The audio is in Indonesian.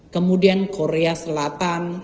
kemudian korea selatan dan sekarang rrt juga akan catching up